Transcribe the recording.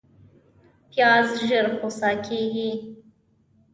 پیاز ژر خوسا کېږي